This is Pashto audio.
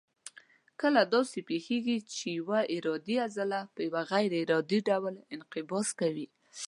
کله داسې پېښېږي چې یوه ارادي عضله په غیر ارادي ډول انقباض کوي.